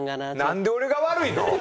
なんで俺が悪いの？